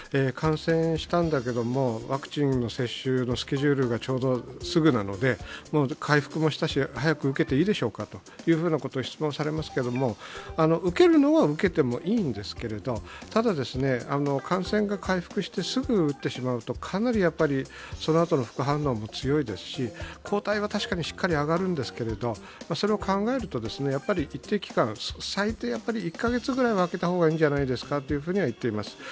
感染したんだけどワクチン接種のスケジュールがちょうどすぐなので、回復もしたし、早く受けていいでしょうかと質問されますけど、受けるのは、受けてもいいんですけども、ただ感染が回復してすぐ打ってしまうと、かなりそのあとの副反応も強いですし、抗体は確かにしっかり上がるんですけども、それを考えると一定期間最低１カ月ぐらいは空けたほうがいいんじゃないですかといっています。